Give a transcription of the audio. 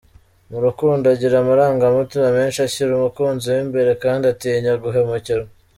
Mu rukundo agira amarangamutima menshi, ashyira umukunzi we imbere kandi atinya guhemukirwa.